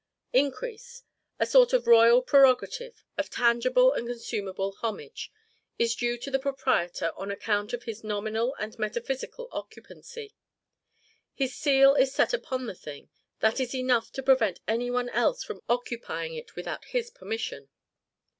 Increase a sort of royal prerogative, of tangible and consumable homage is due to the proprietor on account of his nominal and metaphysical occupancy. His seal is set upon the thing; that is enough to prevent any one else from occupying it without HIS permission.